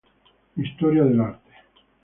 Historia de l’art.